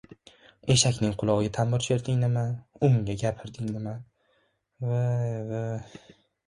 Eshakning qulog‘iga tanbur chertding nima, unga gapirding nima, vo-vo!